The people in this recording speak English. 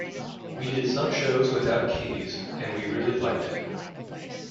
We did some shows without keys and we really liked it.